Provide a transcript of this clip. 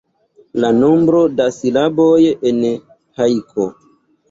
La nombro da silaboj en hajko.